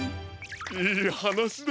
いいはなしだ。